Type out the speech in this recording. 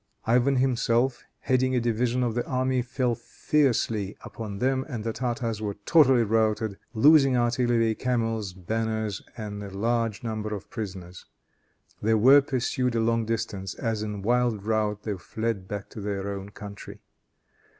Ivan himself, heading a division of the army, fell fiercely upon them, and the Tartars were totally routed, losing artillery, camels, banners and a large number of prisoners. They were pursued a long distance as in wild rout they fled back to their own country.